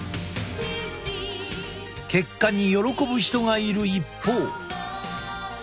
結果に喜ぶ人がいる一方。